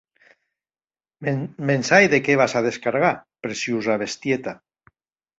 Me’n sai de qué vas a descargar, preciosa bestieta.